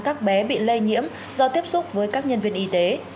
các bé bị lây nhiễm do tiếp xúc với các nhân viên y tế